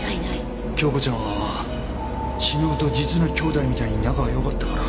京子ちゃんは忍と実の姉妹みたいに仲がよかったから。